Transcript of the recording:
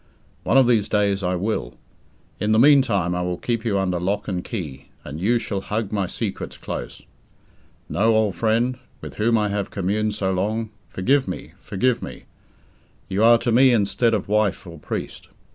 One of these days I will. In the meantime, I will keep you under lock and key, and you shall hug my secrets close. No, old friend, with whom I have communed so long, forgive me, forgive me. You are to me instead of wife or priest.